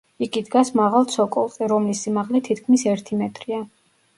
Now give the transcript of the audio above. იგი დგას მაღალ ცოკოლზე, რომლის სიმაღლე თითქმის ერთი მეტრია.